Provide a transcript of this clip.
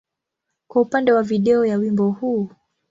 kwa upande wa video ya wimbo huu.